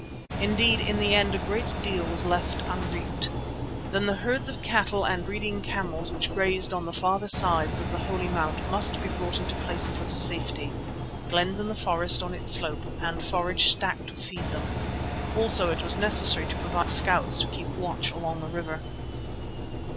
Indeed in the end a great deal was left unreaped. Then the herds of cattle and breeding camels which grazed on the farther sides of the Holy Mount must be brought into places of safety, glens in the forest on its slope, and forage stacked to feed them. Also it was necessary to provide scouts to keep watch along the river.